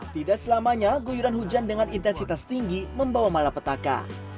tidak selamanya guyuran hujan dengan intensitas tinggi membawa malapetaka